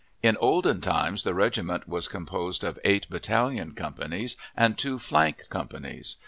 In olden times the regiment was composed of eight battalion companies and two flank companies.